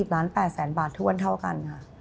ล้าน๘แสนบาทถ้วนเท่ากันค่ะ